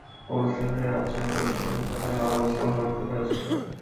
অনুষ্ঠানটি রাজশাহী বিশ্বনিদ্যালয়ে আগস্ট মাসে অনুষ্ঠিত হয়েছিলো।